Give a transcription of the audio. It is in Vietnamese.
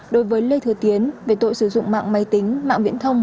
đối với lê thừa tiến về tội sử dụng mạng máy tính mạng viễn thông